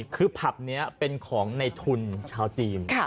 คือผับนี้เป็นของในทุนชาวจีน